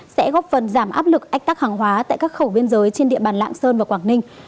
sẽ góp phần giảm áp lực ách tắc hàng hóa tại các khẩu biên giới trên địa bàn lạng sơn và quảng ninh